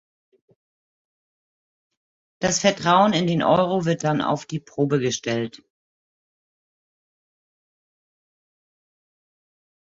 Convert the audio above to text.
Das Vertrauen in den Euro wird dann auf die Probe gestellt.